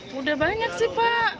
sudah banyak sih pak